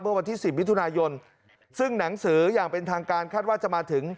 วันที่สิบมิถุนายนซึ่งหนังสืออย่างเป็นทางการคาดว่าจะมาถึง